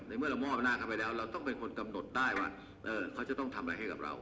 เมื่อเรามอบหน้าเข้าไปแล้วเราต้องเป็นคนกำหนดได้ว่าเขาจะต้องทำอะไรให้กับเรา